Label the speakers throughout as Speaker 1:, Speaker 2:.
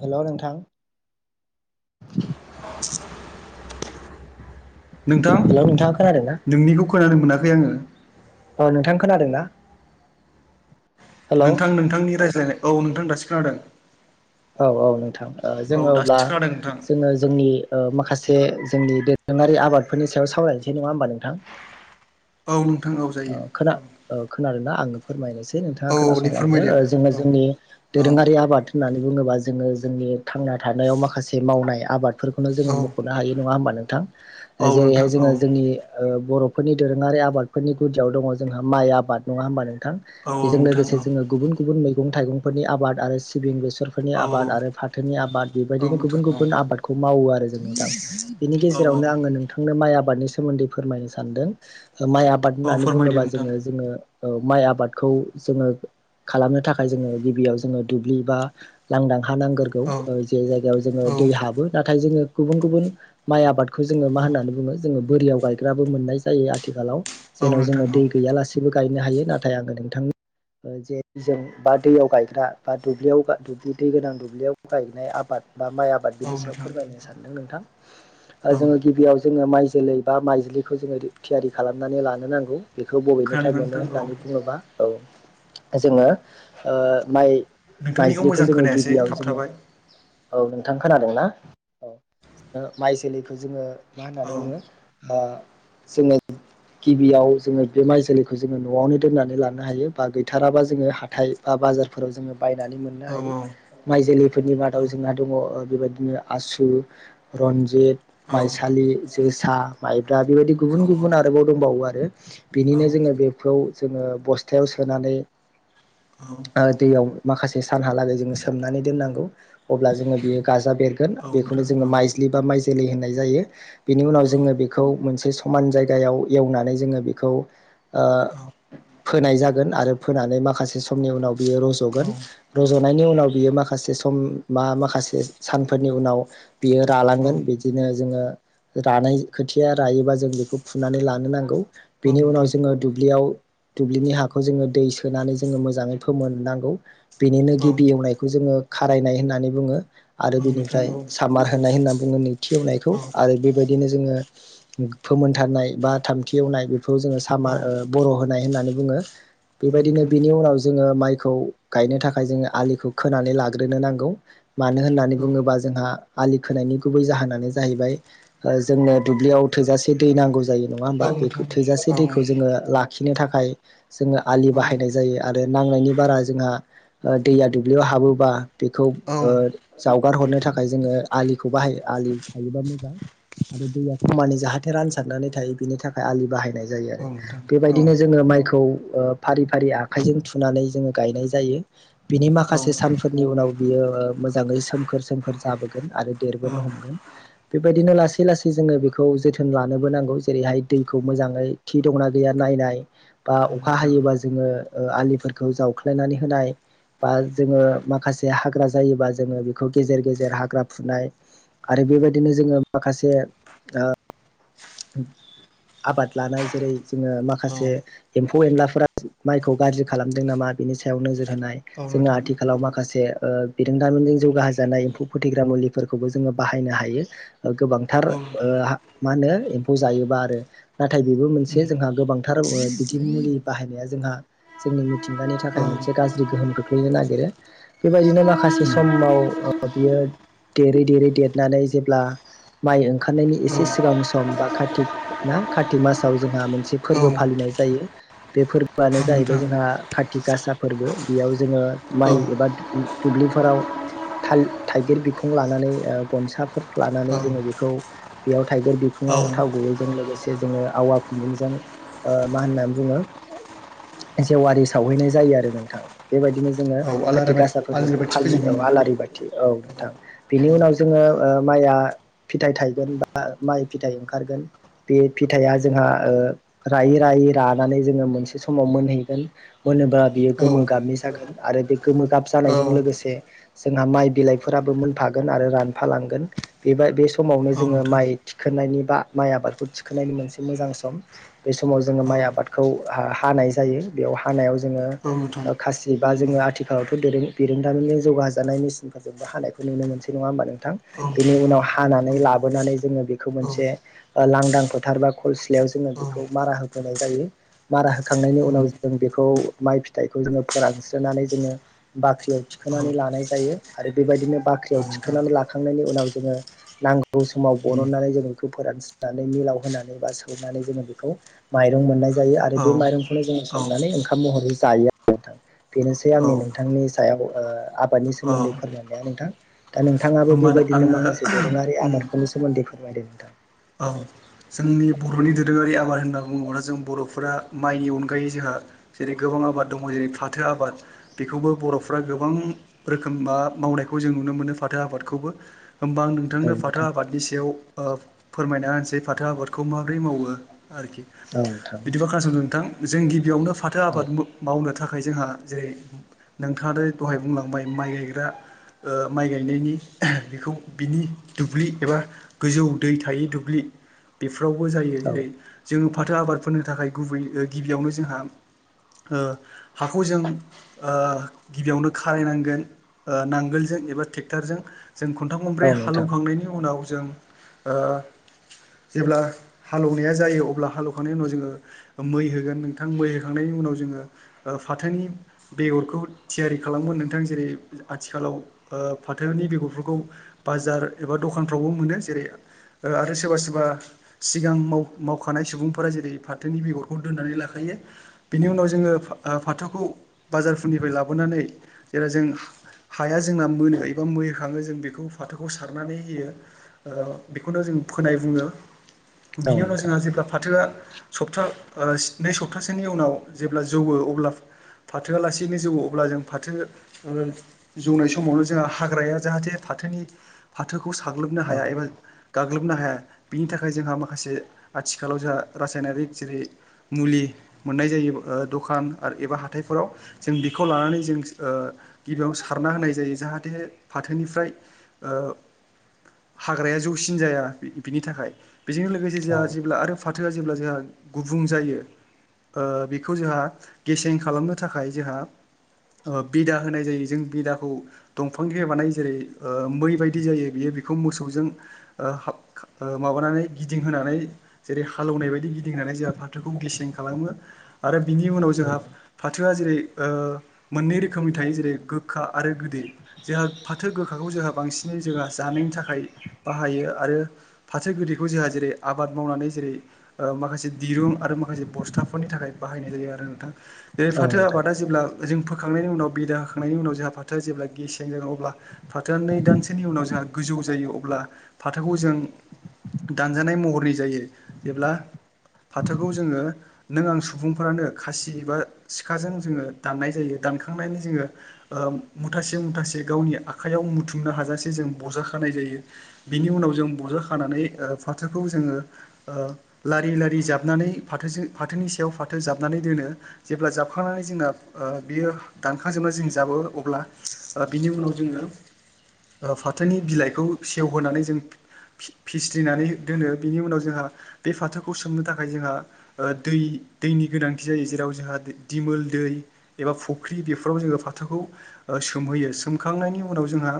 Speaker 1: हेल नोंथां।
Speaker 2: [inaudible] नोंथां
Speaker 1: हेलौ नोंथाङा खोनादों ना
Speaker 2: नोंनिखौ खोनानो मोनाखै आङो।
Speaker 1: अ नोंथां खोनादोंना?
Speaker 2: नोंथां नोंथांनि रायज्लायनाय औ नोंथां दासि खोनादों।
Speaker 1: औ औ नोंथां
Speaker 2: औ
Speaker 1: जोङो अब्ला
Speaker 2: दासो खोनादों नोंथां
Speaker 1: जोङो जोंनि ओ माखासे जोंनि दोरोङारि आबादफोरनि सायाव सावरायनोसै नङा होमबा नोंथां।
Speaker 2: औ औ
Speaker 1: ओ
Speaker 2: जायो
Speaker 1: खोना
Speaker 2: औ
Speaker 1: खोनादों ना आङो फोरमायनायसै। दे नोंथाङा
Speaker 2: औ दे
Speaker 1: खोनासंलांदो
Speaker 2: फोरमायदो
Speaker 1: ओ जोङो
Speaker 2: औ
Speaker 1: जोंनि दोरोङारि आबाद होननानै बुङोबा जोङो जोंनि थांना थानायाव माखासे मावनाय आबाद फोरखौनो
Speaker 2: औ
Speaker 1: जोङो मख'नो हायो नङा होमबा नोंथां ओ
Speaker 2: औ
Speaker 1: जेरैहाय
Speaker 2: नोंथां औ
Speaker 1: जोङो जोंनि ओ बर'फोरनि दोरोङारि आबादफोरनि गुदियाव दङ जोंहा माइ आबाद नङा होमबा नों थां
Speaker 2: औ
Speaker 1: बेजों
Speaker 2: नोंथां औ
Speaker 1: लोगोसे जोङो गुबुन गुबुन मैगं थाइगंफोरनि आबाद आरो सिबिं गोसो बेसरफोरनि
Speaker 2: औ
Speaker 1: आबाद आरो फाथोनि आबाद
Speaker 2: औ
Speaker 1: बेबायदिनो गुबुन
Speaker 2: नोंथां औ
Speaker 1: गुबुन आबादखौ मावो आरो जों नोंथां बेनि गेजे
Speaker 2: औ
Speaker 1: जेरावनो आङो नोंथांनो माइ आबाद बादनि सोमोन्दै फोरमायनो सानदों हो माइ आबाद
Speaker 2: औ
Speaker 1: होननानै
Speaker 2: फोरमायदो
Speaker 1: बुङोबा
Speaker 2: नोंथां
Speaker 1: जोङो जोङो ओ माइ आबादखौ जोङो खालामनो थाखाय जोङो गिबियाव जोङो दुब्लि बा लांदां हा नांगोरगौ
Speaker 2: औ
Speaker 1: ओ जे जायगायाव जोङो
Speaker 2: औ
Speaker 1: दै हाबो नाथाय जोङो गुबुन गुबुन माइ आबाद खो जोङो
Speaker 2: औ
Speaker 1: मा होननानै बुङो जोङो बोरियाव गायग्राबो मोननाय जायो आथिखालाव
Speaker 2: औ
Speaker 1: जेन'
Speaker 2: नोंथां
Speaker 1: जोङो
Speaker 2: औ
Speaker 1: दै गैयालासेबो गायनो हायो नाथाय आङो नोंथां ओ जे जों बा दैयाव गायग्रा बा दुब्लियाव बा दुब्लि दै गोनां दुब्लियाव गायनाय आबाद बा माइ आबाद
Speaker 2: औ
Speaker 1: बिनि सायाव
Speaker 2: नोंथां
Speaker 1: फोरमायनो सानदों नोंथां ओ
Speaker 2: औ
Speaker 1: जोङो गिबियाव जोङो माइ जो जोलै बा माइज्लिखौ जोङो रि थियारि खालामनानै लानो नांगौ बेखौ बबेनिफ्राय
Speaker 2: खोनादोंना
Speaker 1: मोनो
Speaker 2: नोंथां औ
Speaker 1: होननानै बुङोब्ला औ जोङो ओ माइ
Speaker 2: नोंथांनिखौ
Speaker 1: माइज्लिखौ
Speaker 2: मोजां
Speaker 1: जोङो
Speaker 2: खोनायासै
Speaker 1: गिबियाव जोङो
Speaker 2: थाबथाबाय
Speaker 1: औ नोंथां खोनादोंना औ ओ माइ जोलैखौ जोङो मा
Speaker 2: औ
Speaker 1: होननानै बुङो ओ जोंनो गिबियाव जोङो बे माइ जोलैखौ जोङो न'आवनो दोननानै लानो हायो बा गैथाराबा जोङो हाथाय बा बाजा जार फोराव बायनानै मोननो
Speaker 2: औ
Speaker 1: हायो माइ जोलैफोरनि
Speaker 2: औ
Speaker 1: मादाव जोंहा दङ ओ बेबायदिनो आसु, रन्जित, माइसालि, जोसा, माइ ब्रा बेबायदि गुबुन गुबुन आरोबाव दंबावो आरो
Speaker 2: औ
Speaker 1: बिनिनो जोङो बेखौ जोङो बस्थायाव सोनानै
Speaker 2: औ
Speaker 1: ओ दैयाव माखासे सानहालागै जोङो सोमनानै दोननांगौ अब्ला जोङो बेयो गाजा बेरगोन
Speaker 2: औ
Speaker 1: बेखौनो
Speaker 2: नोंथां औ
Speaker 1: जोङो माइज्लि बा माइ जोलै होननाय जायो बेनि उनाव
Speaker 2: औ
Speaker 1: जोङो बेखौ मोनसे समान जायगायाव एवनानै जोङो बिखौ ओ
Speaker 2: औ
Speaker 1: फोनाय जागोन आरो फोनानै माखासे समनि उनाव बियो
Speaker 2: औ
Speaker 1: रज'गोन रज'नायनि उनाव बियो माखा खासे सम मा माखासे स-सानफोरनि उनाव बियो
Speaker 2: औ
Speaker 1: रालांगोन बिदिनो जोङो रानाय खोथिया रायोबा जों बेखौ फुनानै लानो नांगौ।
Speaker 2: औ
Speaker 1: बेनि उनाव
Speaker 2: नोंथां
Speaker 1: जोङो दुब्लियाव दुब्लिनि हाखौ जोङो दै सोनानै जोङो मोजाङै फोमोननांगौ। बिनिनो
Speaker 2: औ
Speaker 1: गिबि एवनायखौ जोङो खारायनाय होननानै बुङो। आरो
Speaker 2: औ नोंथां
Speaker 1: बिनिफ्राय
Speaker 2: औ
Speaker 1: सामार होनाय होनना बुङो नैथि एवनायखौ
Speaker 2: औ
Speaker 1: आरो बेबायदिनो जोङो फोमोनथारनाय बा थामथि एवनाय बेखौ जोङो
Speaker 2: औ
Speaker 1: सामार ओ बर' होन नाय होननानै बुङो बेबायदिनो
Speaker 2: नोंथां
Speaker 1: बिनि उनाव जोङो माइखौ गायनो थाखाय जोङो आलिखौ खोनानै लाग्रोनो नांगौ। मानो होननानै
Speaker 2: औ
Speaker 1: बुङोब्ला जोंहा आलि खोनायनि गुबै जाहोनानो जाहैबाय ओ जोंनो दुब्लियाव थोजासे दै नांगौ जायो। नङा होमबा
Speaker 2: औ
Speaker 1: बेखो
Speaker 2: नोंथां
Speaker 1: थोजासे
Speaker 2: औ नोंथां
Speaker 1: दैखौ
Speaker 2: औ
Speaker 1: जोङो लाखिनो थाखाय जोङो आलि
Speaker 2: औ
Speaker 1: बाहायनाय जायो आर रो नांनायनि बारा जोंहा ओ दैया दुब्लियाव हाबोबा बेखौ ओ जावगार हरनो थाखाय जोङो आलिखौ बाहायो आलि थायोबा मोजां आरो दैया खमानै जाहाथे रानसारनानै थायो। बिनि थाखाय आलि बाहायनाय जायो आरो
Speaker 2: औ नोंथां औ नोंथां औ नोंथां औ नोंथां औ
Speaker 1: बेबायदिनो जोङो माइखौ ओ फारि फारि आखाइजों थुनानै जोङो गायनाय जायो बिनि माखासे सानफोरनि उनाव बियो ओ मोजाङै सोमखोर सोमखोर जाब बोगोन आरो
Speaker 2: औ
Speaker 1: देरबोनो हमगोन बेबायदिनो लासै लासै जोङो बेखौ जोथोन लानोबो नांगौ। जेरैहाय दैखौ मोजाङै थि दङना गैया नायनाय बा अखा
Speaker 2: औ औ
Speaker 1: हायोबा जोङो ओ आलिफोर खौ जावख्लायनानै होनाय बा जोङो माखासे हाग्रा जायोबा जोङो बेखौ गेजेर गेजेर हाग्रा फुनाय आरो बेबायदिनो जोङो माखासे ओ आबाद लानाय जेरै जोङो माखासे एम्फौ एनलाफोरा माइखौ गाज्रि खालामदों नामा बिनि सायाव नोजोर होनाय जोङो आथिखालाव माखासे ओ बिरोंदामिजों जौगा होजानाय एम्फौ फोथैग्रा मुलिफोरखौबो जोङो बाहायनो हायो गोबांथार ओ हा मा होनो एम म्फौ जायोबा आरो नाथाय बेबो मोनसे जोंहा गोबांथार ओ बिदि मुलि बाहायनाया जोंहा जोंनि मिथिंगानि थाखाय मोनसे गाज्रि गोहोम खोख्लैनो नागिरो बेबायदिनो माखासे समाव ओ बियो देरै देरै देरनानै जेब्ला माइ ओंखारनायनि एसे सिगां सम बा कार्तिक ना कार्तिक मासाव जोंहा मोनसे फोरबो फालिनाय जायो बे फोरबोआनो जाहैबाय जोंहा आ कारति गासा फोरबो बेयाव जोङो माइ एबा दुब्लिफोराव थाल थाइगिर बिखुं लानानै गनसाफोर लानानै जोङो बेखौ बेयाव थाइगिर बिखुङाव थाव गुबैजों लोगोसे जोङो आवा खुन्दुंजों ओ मा होननानै बुङो जेवारि सावहैनाय जायो आरो नोंथां बेबायदिनो जोङो
Speaker 2: आल आलारि
Speaker 1: काति गासा फोरबोखौ
Speaker 2: बाथि
Speaker 1: फालियो औ
Speaker 2: फोजोंहैयो
Speaker 1: आलारि बाथि औ नो थां बिनि उनाव जोङो ओ माइया फिथाइ थायगोन बा माइ फिथाइ ओं खारगोन ओगोन बे फिथाइआ जोंहा रायै रायै रानानै जोङो मोनसे समाव मोनहैग गोन मोनोबा बियो
Speaker 2: औ
Speaker 1: गोमो गाबनि जागोन आरो बे गोमो गाब
Speaker 2: औ
Speaker 1: जानायजों लोगोसे जोंहा माइ बिलाइफोराबो मोनफागोन आरो रानफालांगोन बेबा बे समावनो
Speaker 2: औ
Speaker 1: जोङो
Speaker 2: नोंथां
Speaker 1: माइ थिखोननायनि बा माइ आबादखौ थिखोनायनायनि मोनसे मोजां सम बे समाव जोङो
Speaker 2: औ
Speaker 1: माइ आबादखौ हा-हानाय जायो बेयाव हानायाव जोङो
Speaker 2: औ नोंथांं
Speaker 1: खासि बा जोङो आथिखालावथ' दोरों दोरोंदामिनि जौगाजानाय मेसिनफोरजोंबो हानायखौ नुनो मोनसै नङा होमबा नोंथां
Speaker 2: औ
Speaker 1: बेनि उनाव हानानै लाबोनानै जोङो बेखौ
Speaker 2: औ
Speaker 1: मोनसे ओ लांदां फोथार बा खल सिलायाव जोङो बेखौ मारा होफैनाय जायो मारा होखांनायनि
Speaker 2: औ
Speaker 1: उनाव जों बे खौ माइ फिथाइखौ जो फोरानस्रोननानै जोङो बाख्रियाव थिखोनानै लानाय जायो आरो बे बेबायदिनो बाख्रियाव थिखनानै लाखांनायनि उनाव जोङो नांगौ समाव बरननानै जोंङो बेखौ फोरानस नानै मिलाव होनानै बा सौनानै जोङो बेखौ माइरं मोननाय जायो आरो बे माइरंखौनो जोङो संनानै ओंखाम महरै जायोआ रो नोंथां बेनोसै आंनि नोंथांनि सायाव ओ आबादनि सोमोन्दै फोरमायनाया नोंथां दा नोंथाङाबो
Speaker 2: होमबानो
Speaker 1: बेबायदिनो माखासे दोरोङारि
Speaker 2: आङो
Speaker 1: आबादफोरनि सोमोन्दै फोरमायदो नोंथां
Speaker 2: औ जोंनि बर'नि दोरोङारि आबाद होनना बुङोबा जों बर'फोरा माइनि अनगायै जोंहा जेरै गोबां आबाद दङ जेरै फाथो आबाद बेखौबो बर'फ्रा गोबां रोखोम बा मावन मावनायखौ जों नुनो मोनो फाथो आबादखौबो होमबा आं नोंथांनो फाथो
Speaker 1: नोंथां
Speaker 2: आबादनि सायाव ओ फोरमायना होनसै फाथो आबाद खौ माबोरै मावो आरोखि
Speaker 1: औ नोंथां
Speaker 2: बिदिबा खोनासंदों नोंथां जों गिबियावनो फाथो
Speaker 1: औ नोंथां
Speaker 2: आबाद मावनो थाखाय जोंहा जेरै नोंथाङा दहाय बुंलांबाय माइ गायग्रा ओ माइ गायनायनि बेखौ बिनि दुब्लि एबा गोजौ दै थायि दुब्लि बेफोरावबो जायो
Speaker 1: औ
Speaker 2: जेरै जोङो फाथो आबादफोरनो थाखाय गुबै गिबियावनो जोंहा ओ हाखौ जों ओ गिबियावनो खारायनांगोन ओ नांगोलजों एबा थेकटरजों जों खन्थाम खनब्रै
Speaker 1: औ नोंथां
Speaker 2: हालौखांनायनि उनाव जों ओ जेब्ला हालेवनाया जायो अब्ला हालौवखांनायनि उनाव जोङो मै होगोन नोंथां मै होखांनायनि उनाव जोङो ओ फाथोनि बेगरखौ थियारि खालामोन नोंथां जेरै आथिखालाव ओ फाथोनि बेगरफोरखौ बाजार एबा दखानफ्रावबो मोनो जेरै ओ आरो सोरबा सोरबा सिगां माव मावखानाय सुबुंफोरा जेरै फाथोनि बेगरखौ दोननानै लाय खायो बिनि उनाव जोङो फाथोखौ बाजारफोरनिफ्राय लाबोनानै जेराव जों हाया जोंना मोनो एबा मोखाङो जों बेखौ फाथोखौ सारनानै होयो ओ बेखौनो जों फोनाय बुङो
Speaker 1: औ
Speaker 2: बिनि उनाव
Speaker 1: नोंथां
Speaker 2: जोंहा जेब्ला फाथोआ सप्था ओ नै सप्तासेनि जेब्ला जौवो अब्ला फाथोआलासिनो जौ अब्ला जों फाथो जौनाय समावनो जोंहा हाग्राया जाहाथे था फाथोनि फाथोखौ साग्लोबनो
Speaker 1: औ
Speaker 2: हाया एबा गाग्लोबनो हाया बिनि थाखाय जोंहा माखासे आथिखालाव जोंहा रासायनारिक जेरै मुलि मोननाय जायो ओ दखान एबा हााइफोराव जों बेखौ लानानै जों ओ गिबिया ज ज फाथ ह ज बिनि थाखाय बेजों लोगोसे
Speaker 1: औ
Speaker 2: जोंहा जेब्ला आरो फाथोआ जेब्ला जोंहा गुबुं जायो। बेखौ जोंहा गेसें खालामनो थाखाय जोंहा [inaudible] बिदा होनाय जायो जों बिदाखौ दंफां बानाय जेरै मै बायदि जायो बे [inaudible] बेखौ मोसौजों ओ माबानानै गिदिंहोनानै जेरै हालेवनाय बायदि गिदिंहानै जोंहा फाथोखौ गिसिं [inaudible] खालामो आरो बिनि उनाव जोंहा फाथोआ जेरै मोननै रोखोमनि थायो जेरै गोखा आरो गोदै जोंहा फाथो गोखाखौ जोंहा बांसिनै जोंहा जानायनि थाखाय बाहायो आरो फाथो गोरदैखौ जोंहा जेरै आबाद मावनानै जेरै माखासे दिरुं आरो माखासे बस्थु फसाफोरनि थाखाय बाहायनाय जायो आरो नोंथांा जेरै
Speaker 1: औ नोंथां औ
Speaker 2: फाथो
Speaker 1: नोंथां
Speaker 2: आबादा जेब्ला जों [inaudible] होखांनायनि उनाव बिदा होखांनायनि उनाव जोंहा फाथोआ जेब्ला गेसें जागोन अब्ला फाथोआ नै दानसेोनि उन जों गोजौ जायो अब्ला फाथोखौ जों दानजानाय महरनि जायो जेब्ला फाथोखौ जोङो नों आं सुबुंफ्रानो खासि बा सिखाजों जोङो दाननाय जायो दानखांनानै जोङो मुथासे मुथासे गावनि आखाइयाव मुथुमनो हाजासे जों ब'जाखानाय नाय जायो बिनि उनाव जों बजा खानानै फाथोखौ जोङो लारि लारि जाबनानै फाथो फ फाथोनि सायाव फाथो जाबनानै दोनो जेब्ला जाबखांनानै जोंना बियो दानखां जोबना जों जनिाव जो फनि बिलाइ होनानै जों फिसि्रिनानै दोनो बिनि उनाव जोंहा बे फाथोखौ सोमनो थाखाय जोंहा दै दैनि गोनांथि जायो जेराव जोंहा दिमोल दै एबा फुख्रि बेफोराव जोङो फाथोखौ सोमहोयो सोमखांनायनि उनाव जोंहा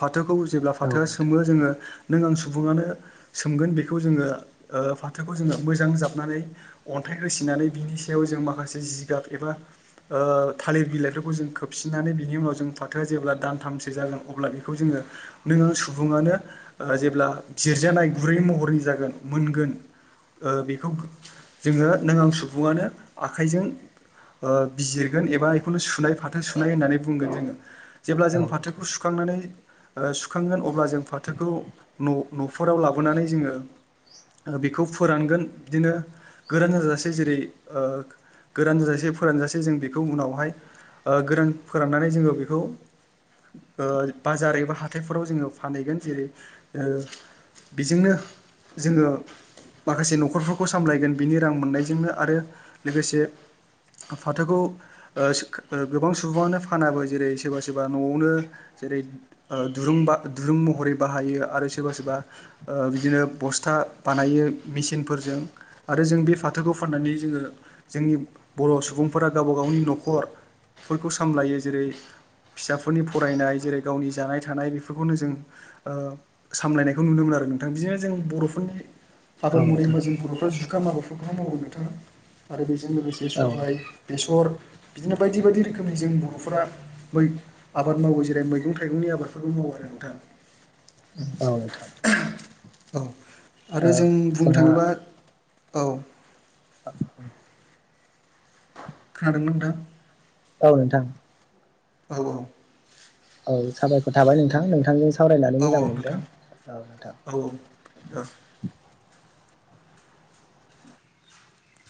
Speaker 2: फाथोखौ जों
Speaker 1: औ नोंथां औ
Speaker 2: फाथोा
Speaker 1: नोंथां औ
Speaker 2: सोमो जोङो नों आं सुबुङानो सोमगोन बेखौ जोङो फाथोखौ जोङो मोजां जाबनानै अन्थाइ हाइ होसिनानै बिनि सायाव जों माखासे जिगाब एबा थालिर बिलाइफोरखौ जों खोबसिननानै बिनि उनाव जोंोक्टोआ जेब्ला दानथामसो जागोन अब्ला बेखौ जोङो नों आ सुबुङानो जेब्ला जिरजानाय गुरै महरै जागोन मोनगोन बेखौ जोङो नों आं सुबुआनो आखाइजों बिजिरगोन एबा बेखौल' सुनाय फाथो सुनाय होननानै बुंगोन जोङो जेब्ला जों फाथोखौ सुखांनानै सुखांगोन अब्ला जों फाथोखौ' न'फोरराव लाबोनानै जोङो बेखौ फोरानगोन बिदिनो गोरान जाजासे जेरै गोरान जाजासे फोरानजासे जों बेखौ उनावहाय गोरान फोराननानै जोङो बेखौ बाजारै ब हाथ हाथथायफोराव जोङो फानहैगोन जेरै बेजोंनो जोङो माखासे न'खरफोरखौ सामलायगोन बिनि रां मोननायजोंनो आरो लोगोसे फाथोखौ गोबां सुबुङानो फानाबो जेरै सोरबा सोरबा न'आवनो जेरै दुरुं महरै बाहायो आरो सोरबा सोरबा ओ बिदिनो बस्था बानायो। मेचनफोरजों आरो जों बे फाथोखौ फाननानै जोङो जोंनि बर' सुबुंफोरा गाव गाव गावनि न'खरफोरखौ सामलायो जेरै फिसाफोरनि फरायनाय जेरै गावनि जानाय थानाय बेफोरखौनो जों सामलायनायखौ नुनो मोन आरो नोंथां बिदिनो जों बर'फोरनि आबाद मरै मो जों बर'फ्रा जुखााम माबाफोरखौ मावोन नोंथाङा आरो बे बेजों लोगोसे सबाय बेसर बिदिनो बायदि बायदि रोखोमनि जों बर'फोरा आबाद मावो जेरै मैगं थाइगंनि आबाद फोरबो मावो आरो नोंथां
Speaker 1: औ थां
Speaker 2: औ आरो जों बुंनो थाङोब्ला औ खानादोंना नोंथां
Speaker 1: औ नोंथां।
Speaker 2: औ औ।
Speaker 1: औ साबायखर थाबाय नोंथां नोंथांजों सावरायनानै
Speaker 2: औ
Speaker 1: मोजां
Speaker 2: औ
Speaker 1: मोनदों
Speaker 2: नोंथां
Speaker 1: औ नोंथां।
Speaker 2: औ औ